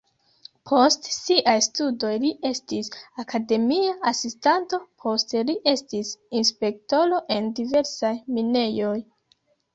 Post siaj studoj li estis akademia asistanto, poste li estis inspektoro en diversaj minejoj.